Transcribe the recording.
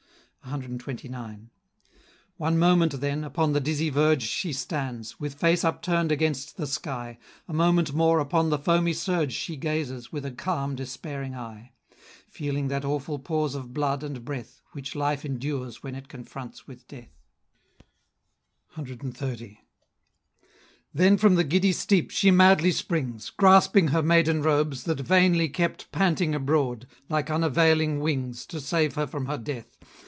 CXXIX. One moment then, upon the dizzy verge She stands; with face upturn'd against the sky; A moment more, upon the foamy surge She gazes, with a calm despairing eye; Feeling that awful pause of blood and breath, Which life endures when it confronts with death; CXXX. Then from the giddy steep she madly springs, Grasping her maiden robes, that vainly kept Panting abroad, like unavailing wings, To save her from her death.